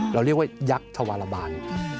เราเรียกว่ายักษ์ชาวาลบาน